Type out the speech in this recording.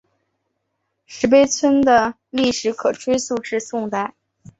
石牌村的历史可追溯至宋朝。